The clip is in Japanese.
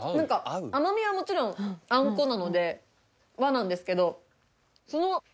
甘味はもちろんあんこなので和なんですけど。